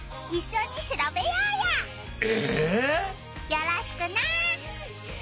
よろしくな！